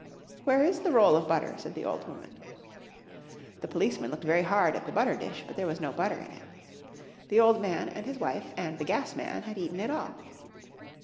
"Where is the roll of butter?" said the old woman. The policeman looked very hard at the butter dish, but there was no butter on it. The old man and his wife and the gas man had eaten it all.